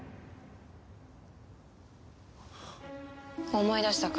思い出したか？